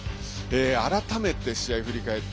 改めて、試合を振り返って